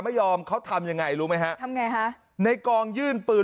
ไม่ยอมเขาทำยังไงรู้ไหมฮะทำไงฮะในกองยื่นปืน